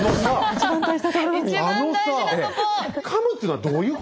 一番大事なとこ！